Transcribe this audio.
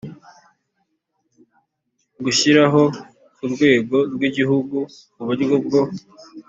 Gushyiraho ku rwego rw igihugu uburyo bwo